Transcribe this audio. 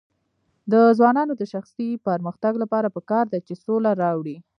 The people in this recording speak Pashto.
د ځوانانو د شخصي پرمختګ لپاره پکار ده چې سوله راوړي.